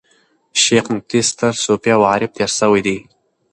شېخ متي ستر صوفي او عارف تېر سوی دﺉ.